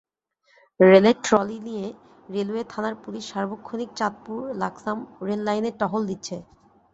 রেলের ট্রলি নিয়ে রেলওয়ে থানার পুলিশ সার্বক্ষণিক চাঁদপুর-লাকসাম রেললাইনে টহল দিচ্ছে।